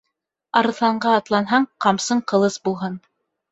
Арыҫланға атланһаң, ҡамсың ҡылыс булһын.